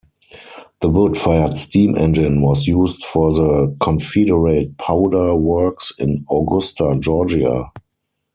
The wood-fired steam engine was used for the Confederate Powder Works in Augusta, Georgia.